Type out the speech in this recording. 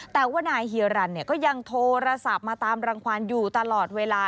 แต่ว่านายเฮียรันก็ยังโทรศัพท์มาตามรังความอยู่ตลอดเวลา